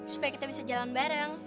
supaya kita bisa jalan bareng